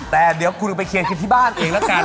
แต่เดี๋ยวคุณเอาไปเคียงกันที่บ้านเองแล้วกัน